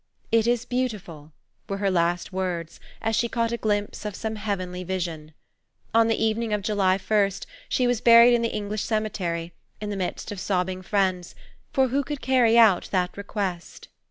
"It is beautiful," were her last words as she caught a glimpse of some heavenly vision. On the evening of July 1, she was buried in the English cemetery, in the midst of sobbing friends, for who could carry out that request?